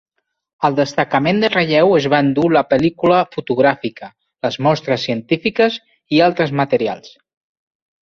El destacament de relleu es va endur la pel·lícula fotogràfica, les mostres científiques i altres materials.